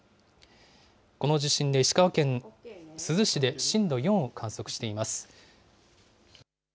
この地震で石川県珠洲市で震度４を観測しています。